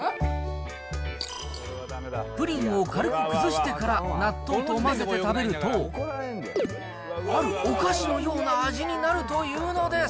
プリンを軽く崩してから、納豆と混ぜて食べると、あるお菓子のような味になるというのです。